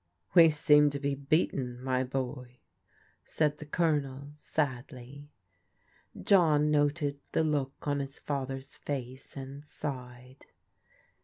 "We seem to be beaten, my boy," said the Colonel sadly. John noted the look on his father's face, and sighed.